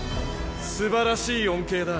すばらしい恩恵だ。